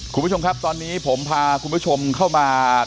คุณผู้ชมครับตอนนี้ผมพาคุณผู้ชมเข้ามา